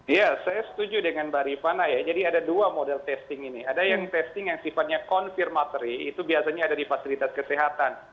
ya saya setuju dengan mbak rifana ya jadi ada dua model testing ini ada yang testing yang sifatnya confirmateri itu biasanya ada di fasilitas kesehatan